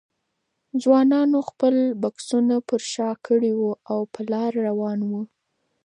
ځوانانو خپل بکسونه پر شا کړي وو او په لاره روان وو.